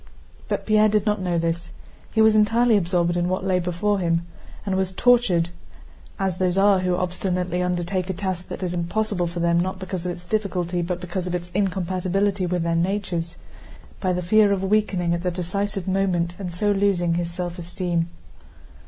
But Pierre did not know this; he was entirely absorbed in what lay before him, and was tortured—as those are who obstinately undertake a task that is impossible for them not because of its difficulty but because of its incompatibility with their natures—by the fear of weakening at the decisive moment and so losing his self esteem.